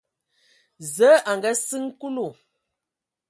Zǝə a ngaasiŋ Kulu.